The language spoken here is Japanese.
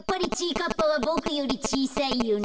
かっぱはボクよりちいさいよね。